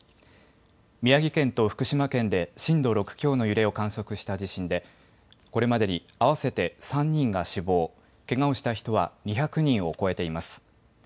宮城県と福島県で震度６強の揺れを観測した地震で、これまでに合わせて３人が死亡、けがをした人は２００人を超えています。